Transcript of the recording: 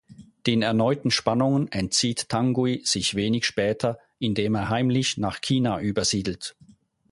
Den erneuten Spannungen entzieht Tanguy sich wenig später, indem er heimlich nach China übersiedelt.